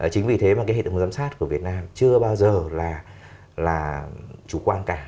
chính vì thế mà cái hệ thống giám sát của việt nam chưa bao giờ là chủ quan cả